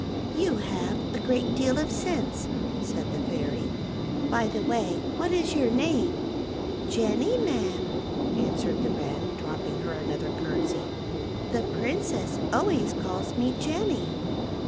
"You have a great deal of sense," said the Fairy. " B} the way, what is x our name .'"" Jenny, ma'am," answered the Wren, dropping her another curtsey. " The Princess alwa\ s calls me Jenny."